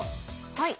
はい。